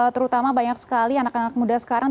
terutama banyak sekali anak anak muda sekarang